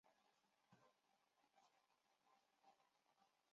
这个名字是按当地的一个酒吧主人命名的。